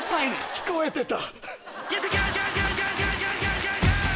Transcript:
聞こえてた。